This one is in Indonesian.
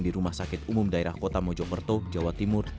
di rumah sakit umum daerah kota mojokerto jawa timur